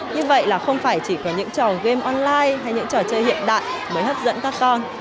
như vậy là không phải chỉ có những trò game online hay những trò chơi hiện đại mới hấp dẫn các con